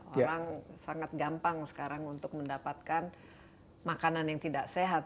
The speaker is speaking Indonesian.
orang sangat gampang sekarang untuk mendapatkan makanan yang tidak sehat